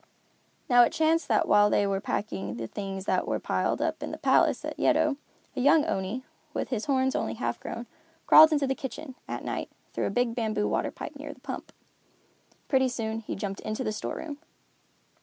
Now it chanced that while they were packing the things that were piled up in the palace at Yedo, a young Oni, with his horns only half grown, crawled into the kitchen, at night, through the big bamboo water pipe near the pump. Pretty soon he jumped into the storeroom.